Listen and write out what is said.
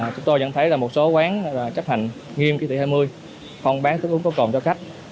chúng tôi nhận thấy là một số quán chấp hành nghiêm kỳ hai mươi không bán thức uống có cồn cho khách